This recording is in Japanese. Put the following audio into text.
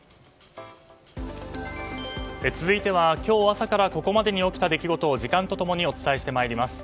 続いては今日朝からここまでに起きた出来事を時間と共にお伝えしてまいります。